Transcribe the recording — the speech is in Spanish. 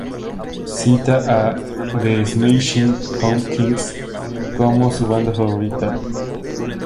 Cita a The Smashing Pumpkins como su banda favorita.